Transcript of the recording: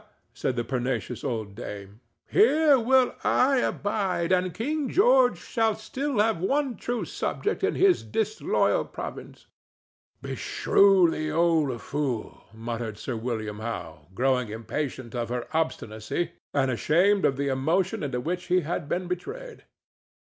said the pertinacious old dame. "Here will I abide, and King George shall still have one true subject in his disloyal province." "Beshrew the old fool!" muttered Sir William Howe, growing impatient of her obstinacy and ashamed of the emotion into which he had been betrayed.